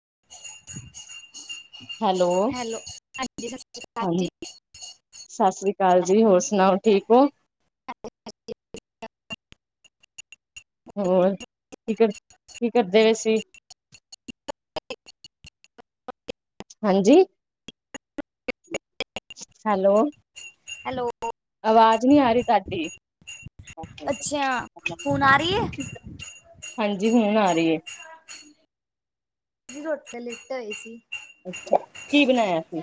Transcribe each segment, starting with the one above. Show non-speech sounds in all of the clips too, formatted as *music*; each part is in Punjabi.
*inaudible* ਹੈਲੋ, ਹੈਲੋ ਹਾਂਜੀ ਸਤਿ ਸ਼੍ਰੀ ਅਕਾਲ ਹਾਂ, ਜੀ ਸਤਿ ਸ੍ਰੀ ਅਕਾਲ ਜੀ, ਹੋਰ ਸੁਣਾਓ, ਠੀਕ ਓ? *inaudible* ਹੋਰ ਕੀ ਕਰ, ਕੀ ਕਰਦੇ ਵੀ ਸ *inaudible* ਹਾਂਜੀ, ਹੈਲੋ। ਹੈਲੋ। ਅਵਾਜ਼ ਨਹੀਂ ਆ ਰਹੀ ਤਾਡੀ, ਅੱਛਾ ਹੁਣ ਆ ਰਹੀ ਹੈ ਹਾਂਜੀ, ਹੁਣ ਆ ਰੀ ਏ। ਰੋਟ ਕੇ ਲਿਟ ਆਏ ਸੀ ਅੱਛਾ ਕੀ ਬਣਾਇਆ ਸੀ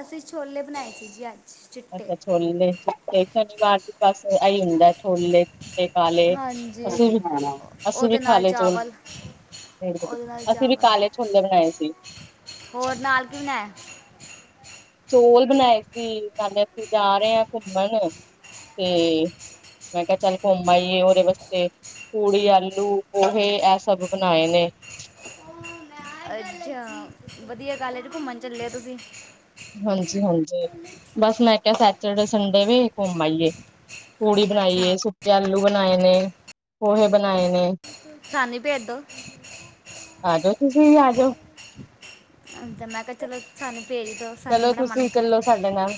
ਅਸੀਂ ਛੋਲੇ ਬਣਾਏ ਸੀ ਜੀ ਅੱਜ ਚਿੱਟੇ ਅੱਛਾ ਛੋਲ ਚਿੱਟੇ ਸ਼ਨੀਵਾਰ ਦੀ ਪਾਸ ਆਈ ਹੁੰਦਾ ਛੋਲੇ ਤੇ ਕਾਲੇ ਹਾਂਜੀ ਅਸੀਂ ਵੀ ਖਣਾ ਉਹ- ਅਸੀਂ ਉਹਦੇ ਵੀ ਨਾਲ ਕਾਲੇ ਚੌਲ ਚਾਵਲ ਉਹਦੇ ਨਾਲ ਅਸੀਂ ਵੀ ਚਾਵਲ ਕਾਲੇ ਛੋਲੇ ਬਣਾਏ ਸੀ। ਹੋਰ ਨਾਲ ਕੀ ਬਣਾਇਆ ਚੋਲ ਬਣਾਏ ਸੀ ਕੱਲ ਅਸੀਂ ਜਾ ਰਹੇ ਹਾਂ ਘੁੰਮਣ ਤੇ ਮੈਂ ਕਿਹਾ ਚੱਲ ਘੁੰਮ ਆਈਏ ਉਹਦੇ ਵਾਸਤੇ ਪੂੜੀ ਆਲੂ ਪਹੇ ਇਹ ਸਭ ਬਣਾਏ ਨੇ ਅੱਛਾ ਵਧੀਆ ਗਾਲਜ ਘੁੰਮਣ ਚੱਲੇ ਹੋ ਤੁਸੀਂ। ਹਾਂਜੀ, ਹਾਂਜੀ। ਬਸ ਮੈਂ ਕਿਹਾ ਸੈਚਡੇ ਸੰਡੇ ਵੀ ਘੁੰਮ ਆਈਏ ਪੂੜੀ ਅੱਛਾ ਬਣਾਈਏ ਸੁੱਕੇ ਆਲੂ ਬਣਾਏ ਨੇ ਪੋਹੇ ਬਣਾਏ ਨੇ ਸਾਨੀ ਭੇਜਦੋ ਆ ਜੋ ਤੁਸੀਂ ਆ ਜਾਓ ਤੇ ਮੈਂ ਕਿਹਾ ਚਲੋ ਸਾਨੂੰ ਪੇਰੀ ਦਾ ਸਾਨੂੰ ਚਲੋ ਬੜਾ ਮਨ ਤੁਸੀਂ ਚੱਲੋ ਸਾਡੇ ਕਰਦਾ ਨਾਲ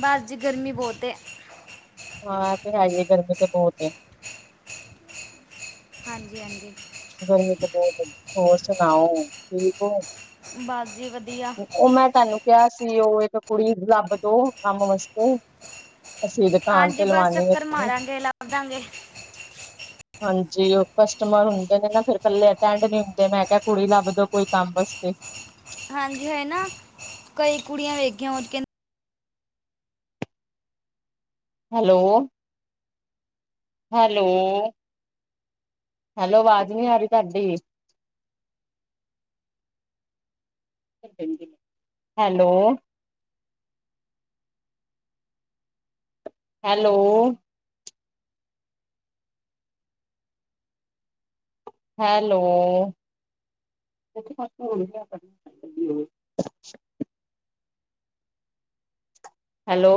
ਬਾਅਦ ਜੀ ਗਰਮੀ ਬਹੁਤੇ ਹਾਂ ਤੇ ਹੈ ਹੀ ਹੈ ਗਰਮੀ ਤੇ ਬਹੁਤ ਹਾਂਜੀ, ਹਾਂਜੀ। ਗਰਮੀ ਤੇ ਬਹੁਤ ਹੋਰ ਸੁਣਾਓ ਠੀਕ ਹੋ। ਬਸ ਜੀ ਵਧੀਆ ਉਹ ਮੈਂ ਤੁਹਾਨੂੰ ਕਿਹਾ ਸੀ ਉਹ ਇੱਕ ਕੁੜੀ ਲੱਬ ਦੋ ਕੰਮ ਵਾਸਤੇ ਅਸੀਂ ਦੁਕਾਨ ਤੇ ਹਾਂਜੀ। ਬਸ ਚੱਕਰ ਲਵਾਉਣੀ ਮਾਰਾਂਗੇ ਲਭ ਦਾਂਗੇ ਹਾਂਜੀ। ਉਹ ਕਸਟਮਰ ਹੁੰ ਕਹਿੰਦੇ ਨਾ ਫੇਿਰ ਇਕੱਲੇ ਤੰਗ ਨੀ ਹੁੰਦੇ ਮੈਂ ਕਿਹਾ ਕੁੜੀ ਲੱਭ ਦੋ ਕੋਈ ਕੰਮ ਵਾਸਤੇ ਹਾਂਜੀ। ਹੈ ਨਾ ਕਈ ਕੁੜੀਆਂ ਵੇਖੀਆਂ ਹੋ ਕਹਿੰ ਹੈਲੋ। ਹੈਲੋ। ਹੈਲੋ ਅਵਾਜ਼ ਨੀ ਆ ਰਹੀ ਤੁਹਾਡੀ। ਹੈਲੋ। ਹੈਲੋ। ਹੈਲੋ। ਹੈਲੋ।